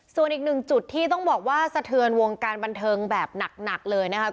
ส่วนอีกหนึ่งจุดที่ต้องบอกว่าสะเทือนวงการบันเทิงแบบหนักเลยนะครับ